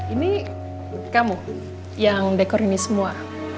ini kamu yang dekor ini semua